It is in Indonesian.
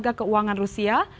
lembaga keuangan rusia